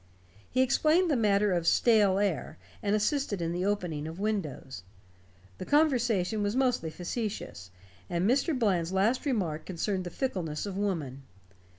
He explained the matter of "stale air", and assisted in the opening of windows. The conversation was mostly facetious, and Mr. Bland's last remark concerned the fickleness of woman.